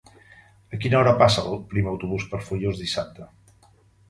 A quina hora passa el primer autobús per Foios dissabte?